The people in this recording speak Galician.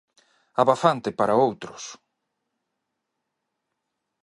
Abafante para outros...